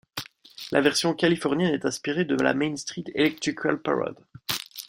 La version californienne est inspirée de la Main Street Electrical Parade.